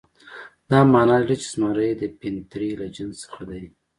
دا معنی لري چې زمری د پینتر له جنس څخه دی.